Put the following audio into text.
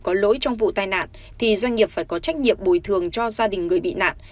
có lỗi trong vụ tai nạn thì doanh nghiệp phải có trách nhiệm bồi thường cho gia đình người bị nạn